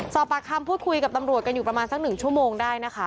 สอบปากคำพูดคุยกับตำรวจกันอยู่ประมาณสัก๑ชั่วโมงได้นะคะ